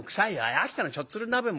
秋田のしょっつる鍋も臭い。